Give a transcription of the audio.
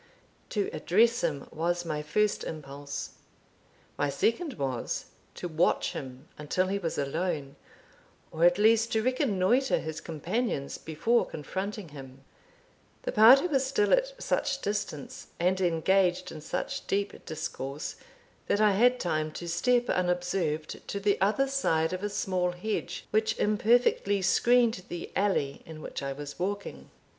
To address him was my first impulse; my second was, to watch him until he was alone, or at least to reconnoitre his companions before confronting him. The party was still at such distance, and engaged in such deep discourse, that I had time to step unobserved to the other side of a small hedge, which imperfectly screened the alley in which I was walking.